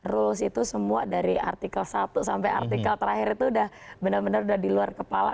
rules itu semua dari artikel satu sampai artikel terakhir itu udah benar benar udah di luar kepala